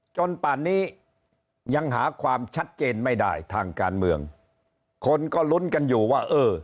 ป่านนี้ยังหาความชัดเจนไม่ได้ทางการเมืองคนก็ลุ้นกันอยู่ว่าเออ